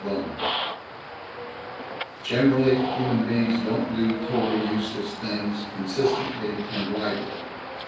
BONE_ _Generally, human beings don't do totally useless things consistently and widely.